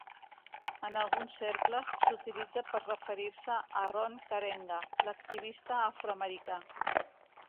En alguns cercles, s'utilitza per referir-se a Ron Karenga, l'activista afro-americà.